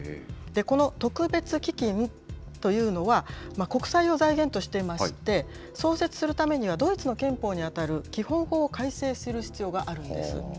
この特別基金というのは、国債を財源としてまして、創設するためには、ドイツの憲法に当たる基本法を改正する必要があるんです。